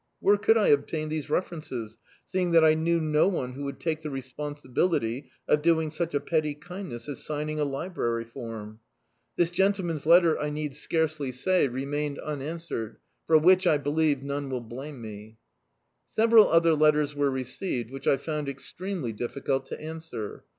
Where could I obtain these references, seeing that I knew no one who would take the responsibility of doing sudi a petty kindness as signing a library form? This gentleman's letter, I need scarcely say, Dictzed by Google Success remained unanswered, for which, I believe, none will blame me. Several other letters were received, which I found extremely difficult to answer.